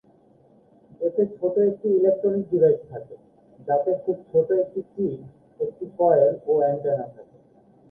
এতে ছোট একটি ইলেকট্রনিক ডিভাইস থাকে, যাতে খুব ছোট একটি চিপ, একটি কয়েল ও অ্যান্টেনা থাকে।